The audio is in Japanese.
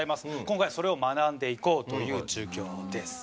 今回はそれを学んでいこうという授業です。